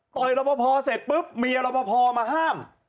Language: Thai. ยรบพอเสร็จปุ๊บเมียรอปภมาห้าม